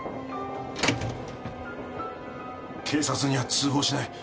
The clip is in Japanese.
警察には通報しない。